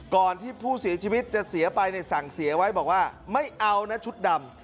ก่อนที่ผู้เสียชีวิตจะเสียไปเนี่ยสั่งเสียไว้บอกว่าไม่เอานะชุดดำ